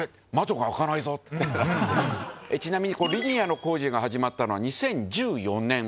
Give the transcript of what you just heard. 舛覆澆リニアの工事が始まったのは２０１４年。